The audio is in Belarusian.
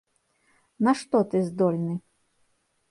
На што ты здольны?